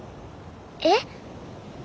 えっ？